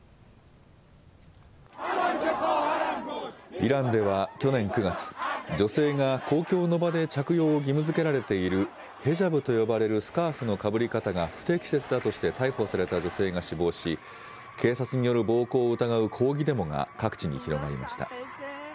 イランでは去年９月、女性が公共の場で着用を義務づけられているヘジャブと呼ばれるスカーフのかぶり方が不適切だとして逮捕された女性が死亡し、警察による暴行を疑う抗議デモが各地に広がりました。